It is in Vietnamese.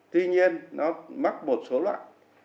tuy nhiên nó mắc một số loại